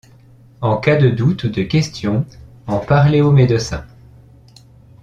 En cas de doute ou de question, en parler au médecin.